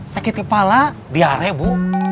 sakit kepala diare bu